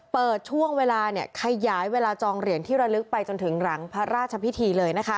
เปิดช่วงเวลาขยายเวลาจองเหรียญที่ระลึกไปจนถึงหลังพระราชพิธีเลยนะคะ